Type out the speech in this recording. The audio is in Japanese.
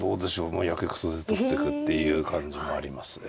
もうやけくそで取ってくっていう感じもあります。